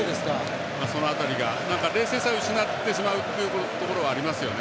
その辺りが、冷静さを失ってしまうというところはありますよね。